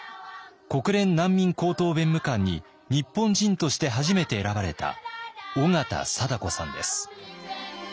国連難民高等弁務官に日本人として初めて選ばれた緒方貞子さんです。